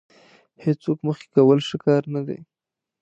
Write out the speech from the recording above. هېڅوک مخکې کول ښه کار نه دی.